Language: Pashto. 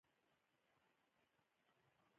زده کړه نجونو ته د انتخاب حق ورکوي.